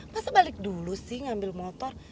masa balik dulu sih ngambil motor